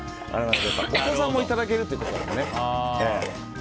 お子さんもいただけるということで。